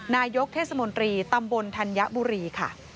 นายกเทศมนตรีตำบลธัญบุรีค่ะ